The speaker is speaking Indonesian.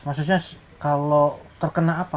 maksudnya kalau terkena apa